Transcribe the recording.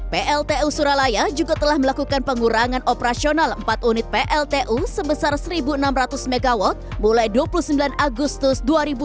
pltu suralaya juga telah melakukan pengurangan operasional empat unit pltu sebesar satu enam ratus mw mulai dua puluh sembilan agustus dua ribu dua puluh